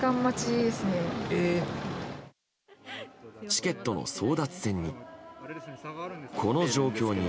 チケットの争奪戦に。